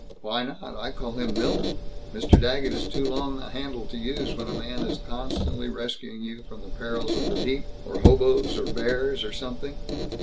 "Why not? I call him 'Milt.' 'Mr. Daggett' is too long a handle to use when a man is constantly rescuing you from the perils of the deep or hoboes or bears or something.